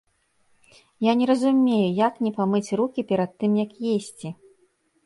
Я не разумею, як не памыць рукі перад тым як есці.